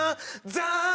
ザーン！